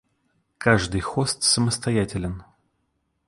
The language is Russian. Каждый хост самостоятелен